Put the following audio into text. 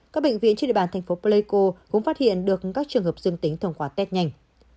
các bệnh viện trên địa bàn thành phố pleiko cũng phát hiện được các trường hợp dương tính thông qua test nhanh